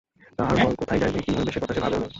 তাহার পর কোথায় যাইবে, কী হইবে, সে কথা সে ভাবেও নাই।